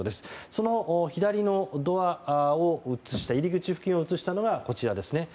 その左のドア入り口付近を映したのがこちらですね。